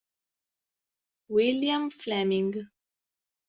William Fleming